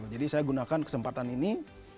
jadi saya gunakan kesempatan ini